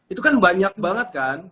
itu kan banyak banget kan